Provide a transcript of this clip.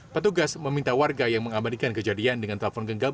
petugas meminta warga yang mengabadikan kejadian dengan telpon genggam